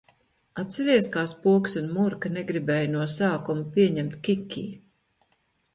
Atceries, kā Spoks un Murka negribēja no sākuma pieņemt Kikī?...